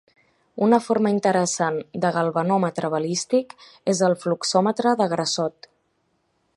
Una forma interessant de galvanòmetre balístic és el fluxòmetre de Grassot.